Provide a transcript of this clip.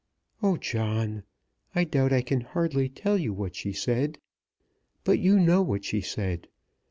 "Oh, John! I doubt I can hardly tell you what she said. But you know what she said.